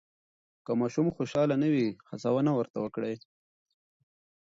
که ماشوم خوشحاله نه وي، هڅونه ورته وکړئ.